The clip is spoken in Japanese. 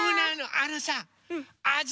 あのさあじ